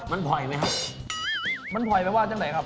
มันผ่อยไหมครับมันผ่อยไปว่าจังไหนครับ